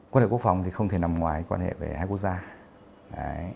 quan hệ quốc phòng thì không thể nằm ngoài quan hệ về hai quốc gia